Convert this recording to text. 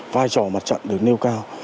vai trò mặt trận được nêu cao